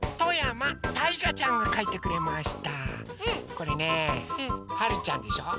これねはるちゃんでしょ